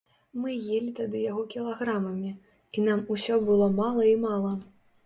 Мы елі тады яго кілаграмамі, і нам усё было мала і мала.